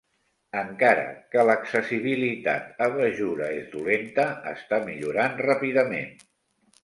Encara que l'accessibilitat a Bajura es dolenta, està millorant ràpidament.